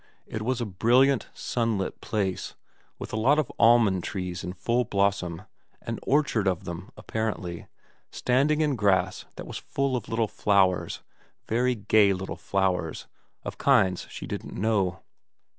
It was a brilliant, sunlit place, with a lot of almond trees in full blossom, an orchard of them, apparently, standing in grass that was full of little flowers, very 8 258 VERA xim gay little flowers, of kinds she didn't know.